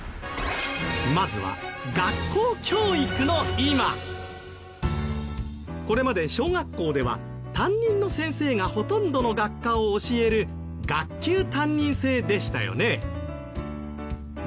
まずはこれまで小学校では担任の先生がほとんどの学科を教える学級担任制でしたよね。